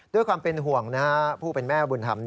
ด้วยความเป็นห่วงผู้เป็นแม่บุญธรรม